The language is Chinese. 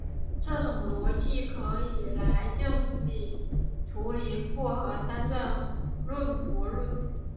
这种逻辑可以用来处理复合三段论悖论。